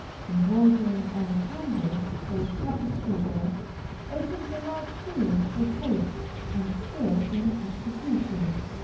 Embroidering on canvas, or tapestry work, opens a large field for taste and skill in execution.